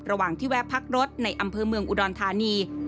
ระหว่างที่แวะพักรถในอำเภอเมืองอุดรธานี